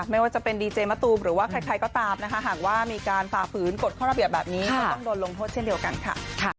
ไม่ว่าจะเป็นดีเจมะตูมหรือว่าใครก็ตามนะคะหากว่ามีการฝ่าฝืนกฎข้อระเบียบแบบนี้ก็ต้องโดนลงโทษเช่นเดียวกันค่ะ